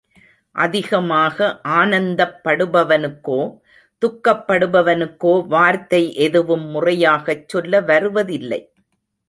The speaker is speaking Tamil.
அதிகமாக ஆனந்தப்படுபவனுக்கோ, துக்கப்படுபவனுக்கோ வார்த்தை எதுவும் முறையாகச் சொல்ல வருவதில்லை.